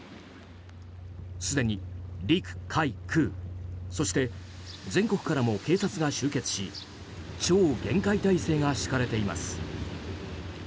すでに陸海空そして、全国からも警察が集結し超厳戒態勢が敷かれています。